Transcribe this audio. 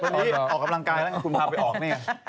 ออกกำลังกายแล้วคุณพาไปออกเนี่ย